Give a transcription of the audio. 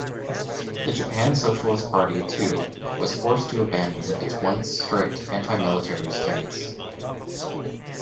The Japan Socialist Party, too, was forced to abandon its once strict antimilitary stance.